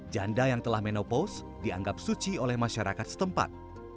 janda yang telah menopaus dianggap suci oleh masyarakat setempat